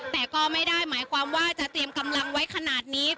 แต่ก็ไม่ได้หมายความว่าจะเตรียมกำลังไว้ขนาดนี้